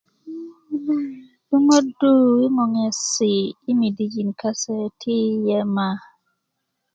duŋödu yi ŋoŋesi i medijin kase ti yema